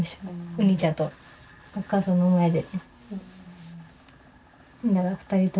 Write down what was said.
お兄ちゃんとお母さんの前で。